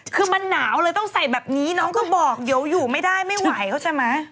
คือมันหนาวเลยต้องใส่แบบนี้น้องก็บอกเดี๋ยวอยู่ไม่ได้ไม่ไหวเขาใช่ไหม